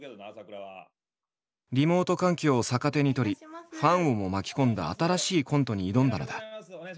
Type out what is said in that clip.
リモート環境を逆手に取りファンをも巻き込んだ新しいコントに挑んだのだ。